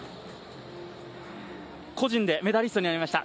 個人でメダリストになりました。